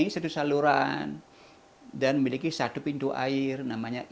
dustelah air tersebar maka nasinya serba mudah